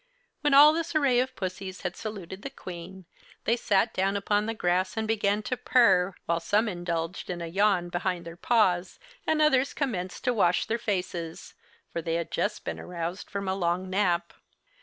When all this array of pussys had saluted the Queen they sat down upon the grass and began to purr, while some indulged in a yawn behind their paws and others commenced to wash their faces; for they had just been aroused from a long nap.